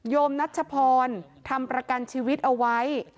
โมนัชพรทำประกันชีวิตเอาไว้